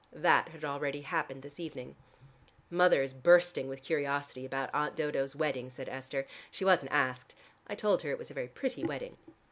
That had already happened this evening. "Mother is bursting with curiosity about Aunt Dodo's wedding," said Esther. "She wasn't asked. I told her it was a very pretty wedding."